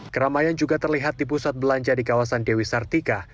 keramaian juga terlihat di pusat belanja di kawasan dewi sartika